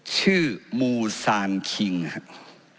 ชื่อมูซานคิงนะครับ